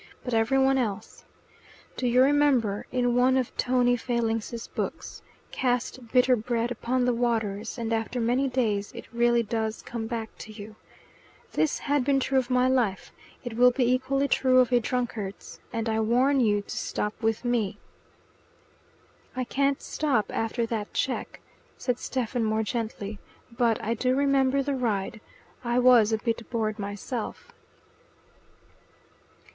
But every one else. Do you remember in one of Tony Failing's books, 'Cast bitter bread upon the waters, and after many days it really does come back to you'? This had been true of my life; it will be equally true of a drunkard's, and I warn you to stop with me." "I can't stop after that cheque," said Stephen more gently. "But I do remember the ride. I was a bit bored myself."